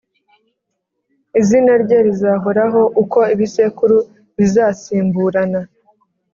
izina rye rizahoraho uko ibisekuru bizasimburana.